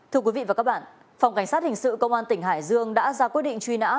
thưa quý vị và các bạn phòng cảnh sát hình sự công an tỉnh hải dương đã ra quyết định truy nã